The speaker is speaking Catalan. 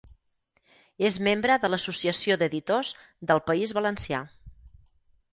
És membre de l'Associació d'Editors del País Valencià.